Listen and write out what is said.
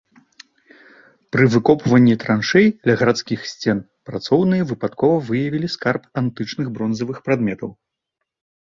Пры выкопванні траншэй ля гарадскіх сцен працоўныя выпадкова выявілі скарб антычных бронзавых прадметаў.